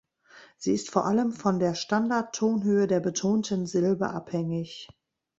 Sie ist vor allem von der Standard-Tonhöhe der betonten Silbe abhängig.